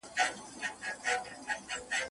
چي څونه به لا ګرځي سرګردانه په کوڅو کي